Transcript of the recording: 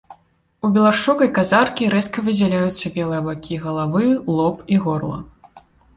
У белашчокай казаркі рэзка выдзяляюцца белыя бакі галавы, лоб і горла.